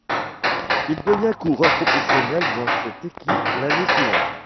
Il devient coureur professionnel dans cette équipe l'année suivante.